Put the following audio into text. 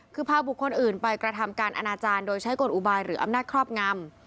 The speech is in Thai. คือพาบุคคลอื่นไปกระทำการอนาจารย์โดยใช้กลอุบายหรืออำนาจครอบงำ